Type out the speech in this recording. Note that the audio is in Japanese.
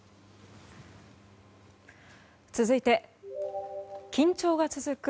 続いて、緊張が続く